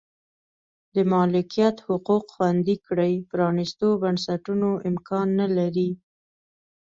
د مالکیت حقوق خوندي کړي پرانیستو بنسټونو امکان نه لري.